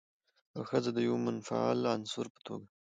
او ښځه د يوه منفعل عنصر په توګه